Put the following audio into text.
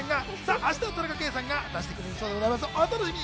明日は田中圭さんが出してくれるそうです。